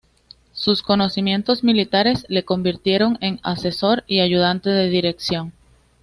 Sus conocimientos militares le convirtieron en asesor y ayudante de dirección.